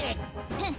フン！